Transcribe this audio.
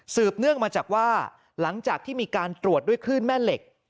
เนื่องมาจากว่าหลังจากที่มีการตรวจด้วยคลื่นแม่เหล็ก